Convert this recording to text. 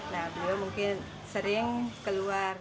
nah beliau mungkin sering keluar